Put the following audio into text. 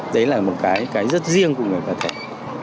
đấy là một cái rất riêng của người bà thẻn